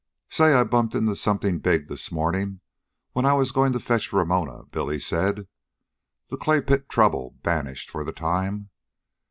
"Say, I bumped into something big this mornin' when I was goin' to fetch Ramona," Billy said, the clay pit trouble banished for the time.